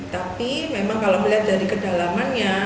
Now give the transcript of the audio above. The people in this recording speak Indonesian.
tapi memang kalau melihat dari kedalamannya